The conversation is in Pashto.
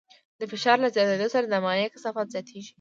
د فشار له زیاتېدو سره د مایع کثافت زیاتېږي.